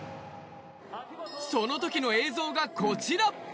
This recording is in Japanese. その時の映像がこちら。